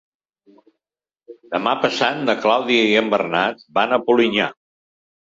Demà passat na Clàudia i en Bernat van a Polinyà.